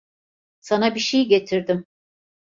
Sana bir şey getirdim.